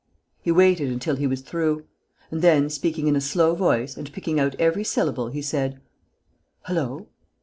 He waited until he was through; and then, speaking in a slow voice and picking out every syllable, he said: "Hullo!....